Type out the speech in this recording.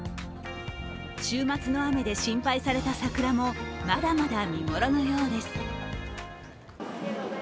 週末の雨で心配された桜もまだまだ見頃のようです。